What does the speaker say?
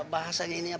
bahasa ini apa